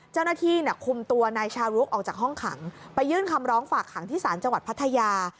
เจ้าหน้าที่คุมตัวนายชารุกออกจากห้องขังไปยื่นคำร้องฝากขังที่ศาลจังหวัดพัทยา